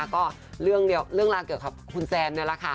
ก็เรื่องราวเกี่ยวกับคุณแซนนี่แหละค่ะ